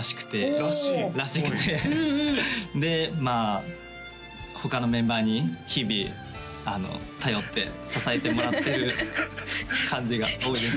はいらしくてでまあ他のメンバーに日々頼って支えてもらってる感じが多いです